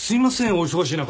お忙しい中。